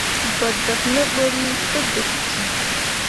Gbǝ dǝb ne ɓerri te dǝɓ ki.